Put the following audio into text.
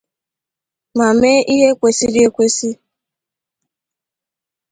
ma mee ihe kwesiri ekwesi